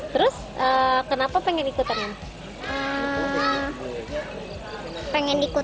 terus kenapa pengen ikut ternyata